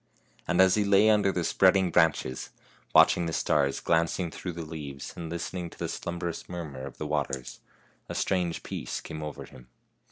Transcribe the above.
And as he lay under the spreading branches, watching the stars glancing through the leaves, and listening to the slumb'rous murmur of the waters, a strange peace came over him.